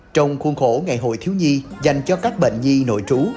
trong khuôn khổ ngày hội thiếu nhi dành cho các bệnh nhi nội trú